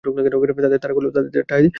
তাদের তাড়া করলেও তারা ঠায় দাঁড়িয়ে রইল।